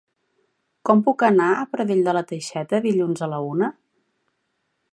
Com puc anar a Pradell de la Teixeta dilluns a la una?